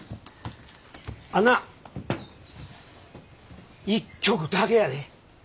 あんな１曲だけやで。